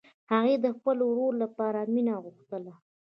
هغې د خپل ورور لپاره مینه غوښتله